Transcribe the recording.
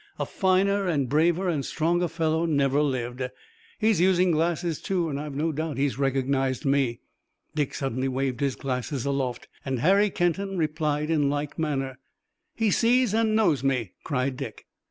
A finer and braver and stronger fellow never lived. He's using glasses too and I've no doubt he's recognized me." Dick suddenly waved his glasses aloft, and Harry Kenton replied in like manner. "He sees and knows me!" cried Dick.